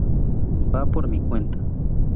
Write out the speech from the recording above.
Va por mi cuenta.